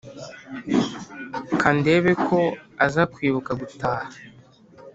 Kandebe ko aza kwibuka gutaha